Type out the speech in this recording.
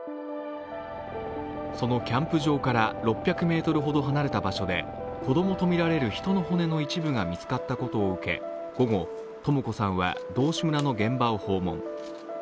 そのキャンプ場から６００ｍほど離れた場所で、子供とみられる人の骨の一部が見つかったことを受け、午後、とも子さんは道志村の現場を訪問。